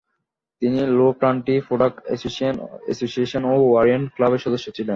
তিনি low country product association ও Orient ক্লাবের সদস্য ছিলেন।